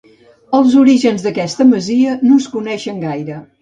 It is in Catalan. Els orígens d'aquesta masia no es coneixen gaire.